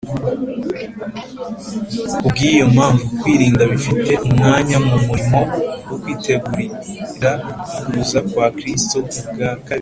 Kubw’iyo mpamvu, kwirinda bifite umwanya mu murimo wo kwitegurira kuza kwa Kristo ubwa kabiri.